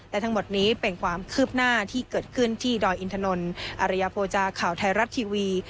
แต่ทั้งหมดนี้เป็นความคืบหน้าที่เกิดขึ้นที่ดอยอินทนนทริยโภจาข่าวไทยรัฐทีวี